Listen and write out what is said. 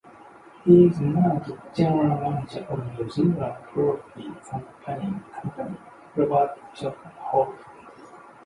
He is now the general manager of New Zealand property company Robert Jones Holdings.